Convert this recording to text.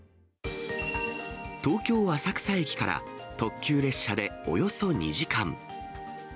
東京・浅草駅から特急列車でおよそ２時間。